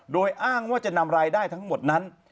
โดยอ้างว่าจะนำรายได้ทั้งหมดนั้น